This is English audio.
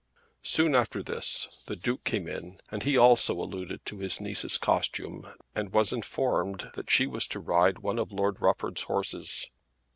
Soon after this the Duke came in and he also alluded to his niece's costume and was informed that she was to ride one of Lord Rufford's horses.